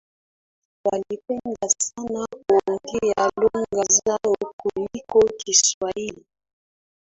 walipenda sana kuongea lugha zao kuliko kiswahili